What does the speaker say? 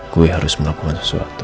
gue harus melakukan sesuatu